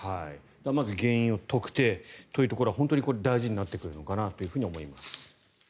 まず原因を特定というところは本当に大事になってくるのかなと思います。